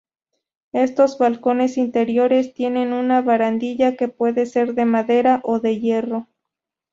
Estos 'balcones interiores' tienen una barandilla que puede ser de madera o de hierro.